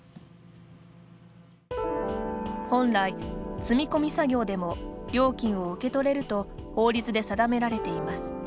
本来積み込み作業でも料金を受け取れると法律で定められています。